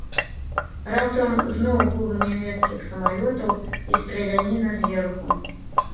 Раптам зноў гул нямецкіх самалётаў і страляніна зверху.